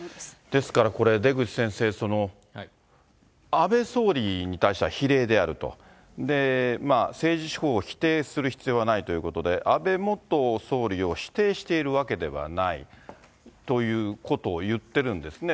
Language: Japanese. ですからこれ、出口先生、安倍総理に対しては非礼であると、政治手法を否定する必要はないということで、安倍元総理を否定しているわけではない。ということを言ってるんですね。